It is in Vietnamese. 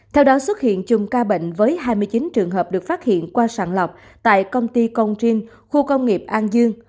theo đó xuất hiện chung ca bệnh với hai mươi chín trường hợp được phát hiện qua sản lọc tại công ty công trinh khu công nghiệp an dương